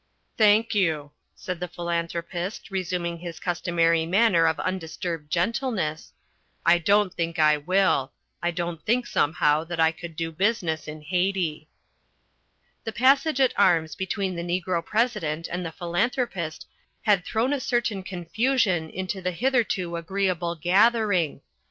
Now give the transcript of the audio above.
"Thank you," said The Philanthropist, resuming his customary manner of undisturbed gentleness, "I don't think I will. I don't think somehow that I could do business in Haiti." The passage at arms between the Negro President and The Philanthropist had thrown a certain confusion into the hitherto agreeable gathering.